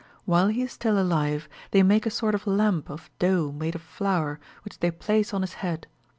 While he is still alive, they make a sort of lamp of dough made of flour, which they place on his head.